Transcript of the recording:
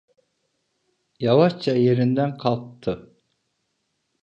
Yavaşça yerinden kalktı.